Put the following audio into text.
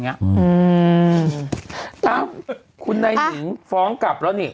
เอ้าคุณนายหนิงฟ้องกลับแล้วนี่